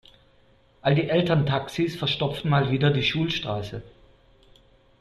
All die Elterntaxis verstopfen mal wieder die Schulstraße.